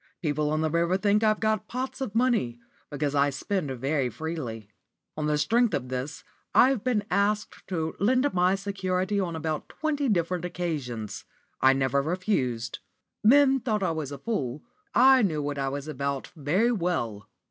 People on the river think I've got pots of money, because I spend very freely. On the strength of this I've been asked to lend my security on about twenty different occasions. I never refused. Men thought I was a fool, but I knew what I was about very well."